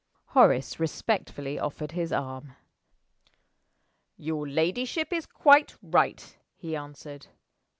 Horace respectfully offered his arm. "Your ladyship is quite right," he answered.